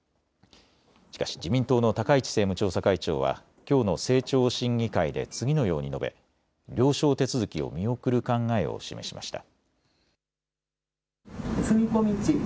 しかし自民党の高市政務調査会長はきょうの政調審議会で次のように述べ、了承手続きを見送る考えを示しました。